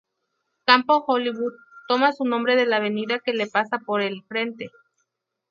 Campo Hollywood, toma su nombre de la avenida que le pasa por el frente.